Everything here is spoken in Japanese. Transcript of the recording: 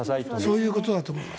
そういうことだと思います。